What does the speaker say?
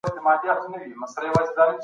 سرلوړي یوازي د غازیانو په برخه کېږي.